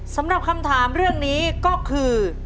สำหรับคำถามเรื่องนี้ก็คือ